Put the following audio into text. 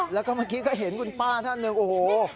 แล้วก็เมื่อกี้ก็เห็นคุณป้าท่านหนึ่งโอ้โห